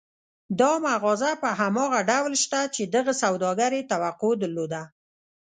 دا مغازه په هماغه ډول شته چې دغه سوداګر يې توقع درلوده.